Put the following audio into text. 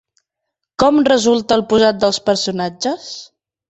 Com resulta el posat dels personatges?